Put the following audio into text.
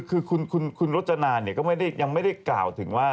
คือคุณรจนาเนี่ยก็ยังไม่ได้กล่าวถึงว่า